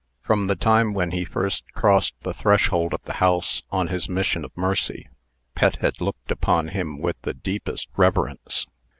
From the time when he first crossed the threshold of the house on his mission of mercy, Pet had looked upon him with the deepest reverence.